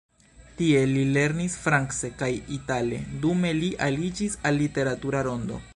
Tie li lernis france kaj itale, dume li aliĝis al literatura rondo.